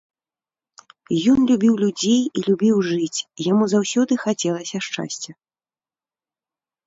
Ён любіў людзей і любіў жыць, яму заўсёды хацелася шчасця.